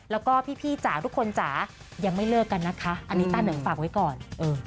แล้วก็พี่จ๋าทุกคนจ๋ายังไม่เลิกกันนะคะอันนี้ต้าเหนิงฝากไว้ก่อน